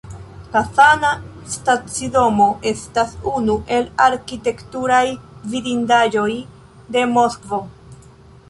Kazana stacidomo estas unu el arkitekturaj vidindaĵoj de Moskvo.